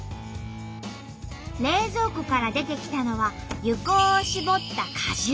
冷蔵庫から出てきたのは柚香を搾った果汁。